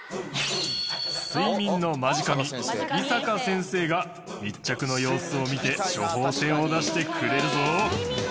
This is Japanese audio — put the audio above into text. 睡眠のマジ神井坂先生が密着の様子を見て処方箋を出してくれるぞ。